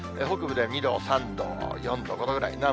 北部では２度、３度、４度、５度ぐらい。